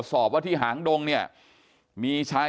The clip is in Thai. กลุ่มตัวเชียงใหม่